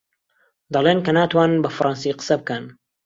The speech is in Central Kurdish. دەڵێن کە ناتوانن بە فەڕەنسی قسە بکەن.